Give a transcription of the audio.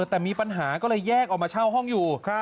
แต่มีปัญหาก็เลยแยกออกมาเช่าห้องอยู่